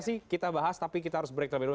sih kita bahas tapi kita harus break terlebih dulu